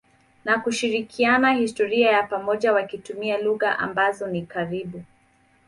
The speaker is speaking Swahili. na kushirikiana historia ya pamoja wakitumia lugha ambazo ni karibu.